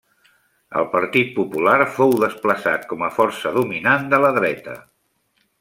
El Partit Popular fou desplaçat com a força dominant de la dreta.